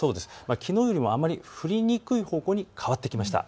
きのうよりも降りにくい方向に変わってきました。